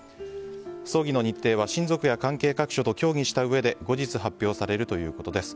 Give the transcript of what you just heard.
葬儀の日程は親族や関係各所と協議したうえで後日、発表されるということです。